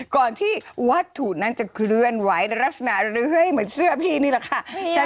ก่อนที่วัตถุนั้นจะเคลื่อนไหวลักษณะเลื้อยเหมือนเสื้อพี่นี่แหละค่ะ